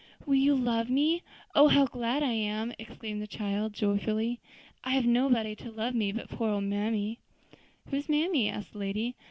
"Will you love me? Oh! how glad I am," exclaimed the child joyfully; "I have nobody to love me but poor old mammy." "And who is mammy?" asked the lady.